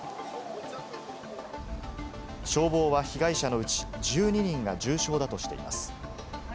消防は、被害者のうち１２人が重傷だとしています。